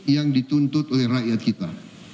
yang dituntut oleh rakyat kita